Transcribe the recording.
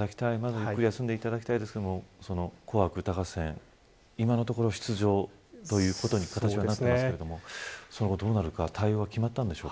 ゆっくり休んでいただきたいですが紅白歌合戦、今のところ出場ということに形にはなっていますがその後どうなるか対応は決まったんでしょうか。